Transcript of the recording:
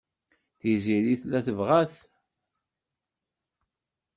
Tiziri tella tebɣa-t.